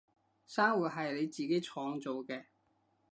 生活係你自己創造嘅